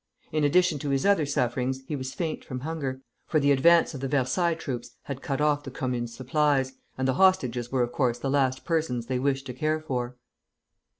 In addition to his other sufferings he was faint from hunger, for the advance of the Versailles troops had cut off the Commune's supplies, and the hostages were of course the last persons they wished to care for.